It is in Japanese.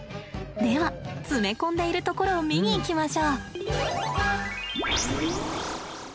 では詰め込んでいるところを見に行きましょう。